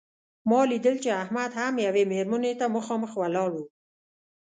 ما لیدل چې احمد هم یوې مېرمنې ته مخامخ ولاړ و.